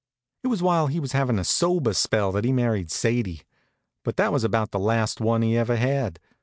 It was while he was having a sober spell that he married Sadie; but that was about the last one he ever had.